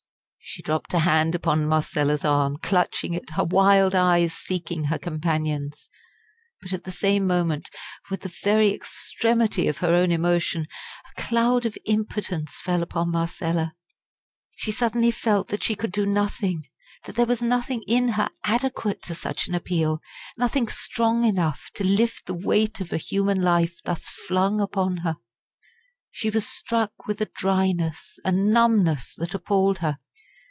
She dropped a hand upon Marcella's arm, clutching it, her wild eyes seeking her companion's. But at the same moment, with the very extremity of her own emotion, a cloud of impotence fell upon Marcella. She suddenly felt that she could do nothing that there was nothing in her adequate to such an appeal nothing strong enough to lift the weight of a human life thus flung upon her. She was struck with a dryness, a numbness, that appalled her.